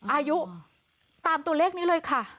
อายุตามตัวเลขนี้เลยค่ะ